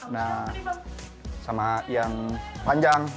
nah sama yang panjang